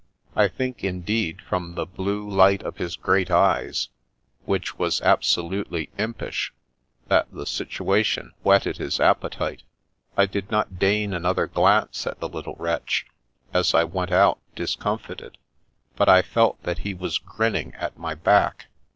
I think, indeed, from the blue light in his great eyes (which was absolutely impish), that the situation whetted his appetite. I did not deign another glance at the little wretch, as I went out, discomfited, but I felt that he was grinning at my back.